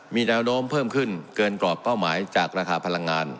มีแนวโน้มเพิ่มขึ้นเกินกรอบเป้าหมายจากราคาพลังงาน